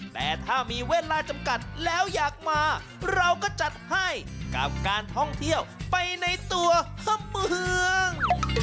แต่ถ้ามีเวลาจำกัดแล้วอยากมาเราก็จัดให้กับการท่องเที่ยวไปในตัวเมือง